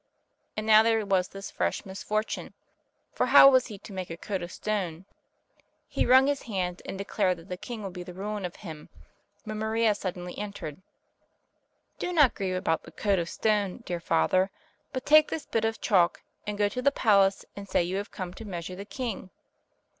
And now there was this fresh misfortune, for how was he to make a coat of stone? He wrung his hands and declared that the king would be the ruin of him, when Maria suddenly entered. "Do not grieve about the coat of stone, dear father; but take this bit of chalk, and go to the palace and say you have come to measure the king."